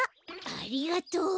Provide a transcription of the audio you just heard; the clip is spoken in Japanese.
ありがとう。